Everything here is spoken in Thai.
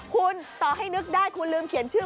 คุณต่อให้นึกได้คุณลืมเขียนชื่อ